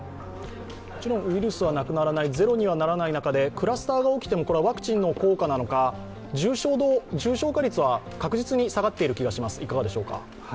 もちろんウイルスはなくならない、ゼロにならない中でクラスターが起きてもワクチンの効果なのか、重症化率は確実に下がっている気がしますが、いかがでしょうか。